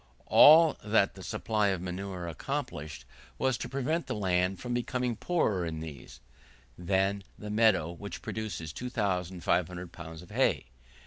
All that the supply of manure accomplished, was to prevent the land from becoming poorer in these, than the meadow which produces 2,500 pounds of hay.